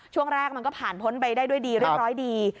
ช่วงแรกมันก็ผ่านพ้นไปได้ด้วยดีเรียบร้อยดี